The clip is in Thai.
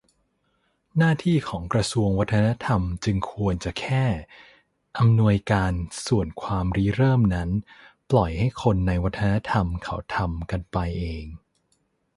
หน้าที่ของกระทรวงวัฒนธรรมจึงควรจะแค่ อำนวยการ ส่วนความริเริ่มนั้นปล่อยให้คนในวัฒนธรรมเขาทำกันไปเอง